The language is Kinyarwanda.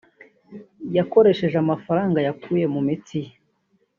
yakoresheje amafaranga yavuye mu mitsi ye